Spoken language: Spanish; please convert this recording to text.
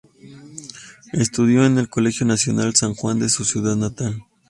Estudió en el Colegio Nacional San Juan de su ciudad natal.